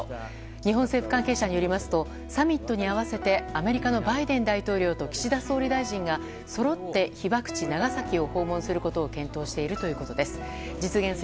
日本政府関係者によりますとサミットに合わせてアメリカのバイデン大統領と岸田総理大臣がそろって被爆地・長崎を訪問することを検討しているということです。